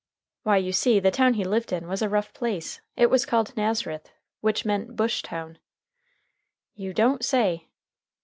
"Why, you see the town he lived in was a rough place. It was called Nazareth, which meant 'Bush town.'" "You don't say?"